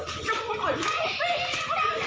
กลับมาพร้อมขอบความ